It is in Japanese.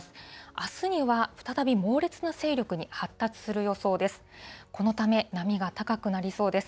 あすには再び、猛烈な勢力に発達する予想です。